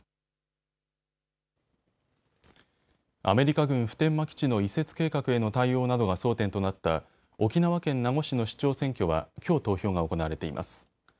アメリカ軍普天間基地の移設計画への対応などが争点となった沖縄県名護市の市長選挙はきょう投票が行われています。